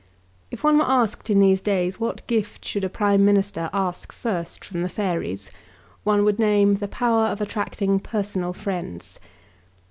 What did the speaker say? If one were asked in these days what gift should a Prime Minister ask first from the fairies, one would name the power of attracting personal friends.